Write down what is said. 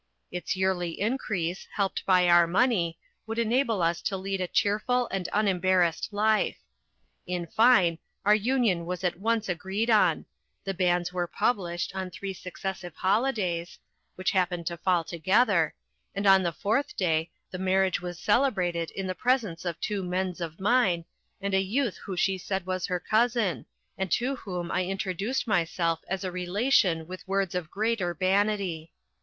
Its yearly increase, helped by our money, would enable us to lead a cheerful and unembarrassed life. In fine, our union was at once agreed on; the banns were published on three successive holidays (which happened to fall together), and on the fourth day, the marriage was celebrated in the presence of two friends of mine, and a youth who she said was her cousin, and to whom I introduced myself as a relation with words of great urbanity.